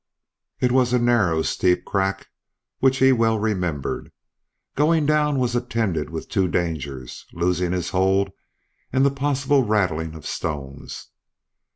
It was a narrow steep crack which he well remembered. Going down was attended with two dangers losing his hold, and the possible rattling of stones.